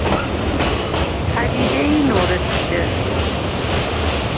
پدیدهای نورسیده